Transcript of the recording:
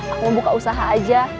aku buka usaha aja